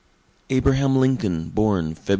Abraham Lincoln, Born Feb.